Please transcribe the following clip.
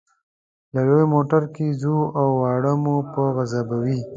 په لوی موټر کې ځو او واړه مو په عذابوي.